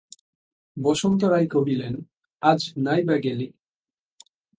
বসন্ত রায় কহিলেন, আজ নাই-বা গেলি।